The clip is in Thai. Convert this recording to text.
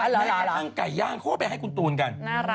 และอาทั้งไก่ย่างเขาไปให้คุณตูนกันน่ารัก